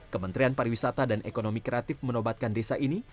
kementerian pariwisata dan ekonomi kreatif menobatkan desa ini